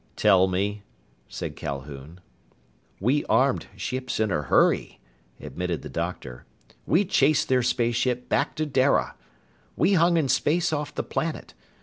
"Tell me," said Calhoun. "We armed ships in a hurry," admitted the doctor. "We chased their spaceship back to Dara. We hung in space off the planet.